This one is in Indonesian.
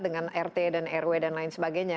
dengan rt dan rw dan lain sebagainya